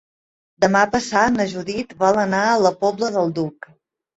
Demà passat na Judit vol anar a la Pobla del Duc.